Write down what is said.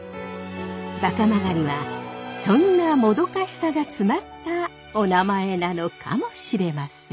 馬鹿曲はそんなもどかしさが詰まったおなまえなのかもしれません。